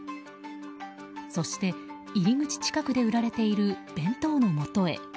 そして入り口近くで売られている弁当のもとへ。